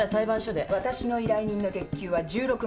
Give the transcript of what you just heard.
わたしの依頼人の月給は１６万。